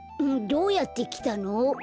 どうやってきたの？